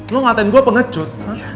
lo ngatain gue pengecut